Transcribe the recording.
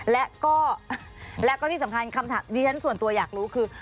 และก็และก็ที่สำคัญคำถามที่ฉันส่วนตัวอยากรู้คือ